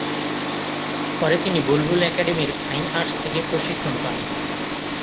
পরে তিনি বুলবুল একাডেমীর ফাইন আর্টস থেকে প্রশিক্ষণ পান।